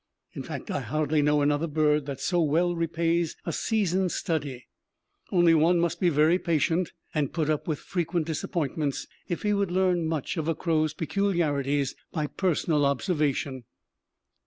In fact, I hardly know another bird that so well repays a season's study; only one must be very patient, and put up with frequent disappointments if he would learn much of a crow's peculiarities by personal observation.